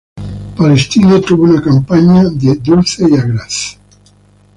Palestino tuvo una campaña de "dulce y agraz".